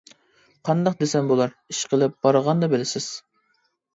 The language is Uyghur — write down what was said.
قانداق دېسەم بولار ئىشقىلىپ بارغاندا بىلىسىز.